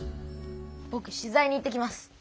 ぼく取材に行ってきます。